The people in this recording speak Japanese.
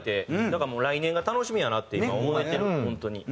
なんかもう来年が楽しみやなって今思えてる本当に。